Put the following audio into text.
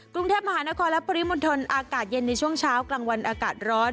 กรุงเทพมหานครและปริมณฑลอากาศเย็นในช่วงเช้ากลางวันอากาศร้อน